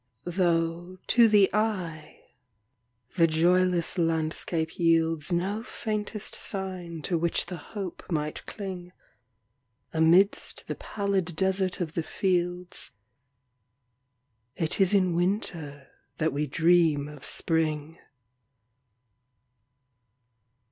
Though, to the eye, the joyless landscape yieldsNo faintest sign to which the hope might cling,—Amidst the pallid desert of the fields,—It is in Winter that we dream of Spring.